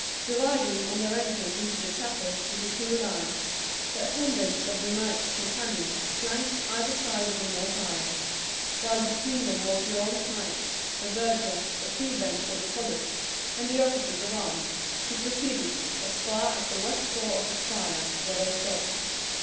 Dividing, on their entrance into the chapel, into two lines, the attendants of the knights companions flanked either side of the north aisle; while between them walked the alms knights, the verger, the prebends of the college, and the officers of arms, who proceeded as far as the west door of the choir, where they stopped.